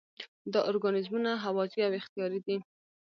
دا ارګانیزمونه هوازی او اختیاري دي.